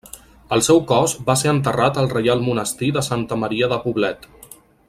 El seu cos va ser enterrat al Reial Monestir de Santa Maria de Poblet.